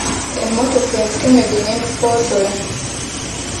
Emmotoka emutomedde n'emufootola.